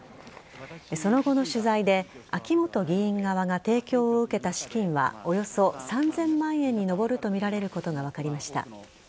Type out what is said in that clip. その後の取材で秋本議員側が提供を受けた資金はおよそ３０００万円に上るとみられることが分かりました。